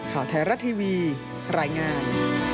ข่าวไทยรัฐทีวีรายงาน